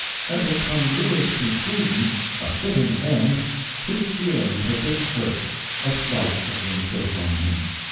As a congruous conclusion, a fitting end, his feelings had been hurt, a slight had been put upon him.